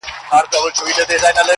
o نن مي واخله پر سر یو مي سه تر سونډو,